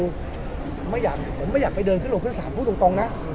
ผมก็ไม่อยากผมไม่อยากไปเดินขึ้นหลวงเครื่องศาลพูดตรงนะ